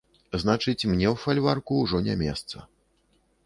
Значыць, мне ў фальварку ўжо не месца.